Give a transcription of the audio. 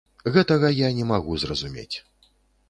Гэтага я не магу зразумець!